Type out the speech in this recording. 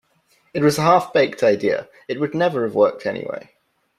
It was a half-baked idea, it would never have worked anyway.